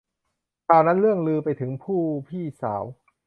ข่าวนั้นเลื่องลือไปถึงผู้พี่สาว